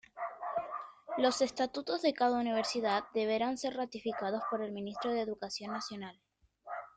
Los estatutos de cada universidad deberán ser ratificados por el ministro de Educación nacional.